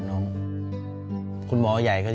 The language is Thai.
พ่อลูกรู้สึกปวดหัวมาก